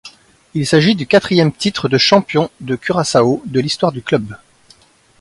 Il s’agit du quatrième titre de champion de Curaçao de l’histoire du club.